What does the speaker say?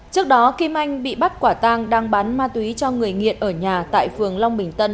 trước đó kim anh bị bắt quả tang đang bán ma túy cho người nghiện ở nhà tại phường long bình tân